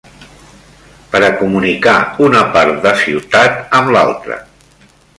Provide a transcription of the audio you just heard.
Per a comunicar una part de ciutat amb l'altra.